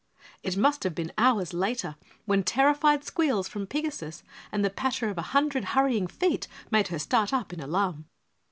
It must have been hours later when terrified squeals from Pigasus and the patter of a hundred hurrying feet made her start up in alarm.